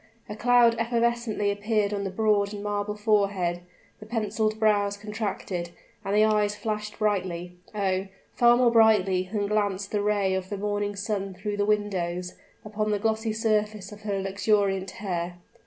A cloud evanescently appeared on the broad and marble forehead; the penciled brows contracted, and the eyes flashed brightly oh! far more brightly than glanced the ray of the morning sun through the windows, upon the glossy surface of her luxuriant hair.